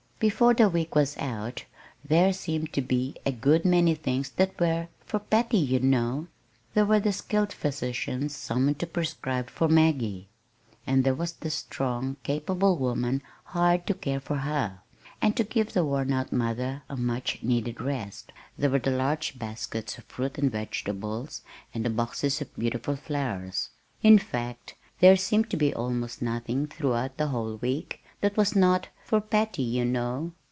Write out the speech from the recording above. Before the week was out there seemed to be a good many things that were "for Patty, you know." There was the skilled physician summoned to prescribe for Maggie; and there was the strong, capable woman hired to care for her, and to give the worn out mother a much needed rest. There were the large baskets of fruit and vegetables, and the boxes of beautiful flowers. In fact there seemed to be almost nothing throughout the whole week that was not "for Patty, you know."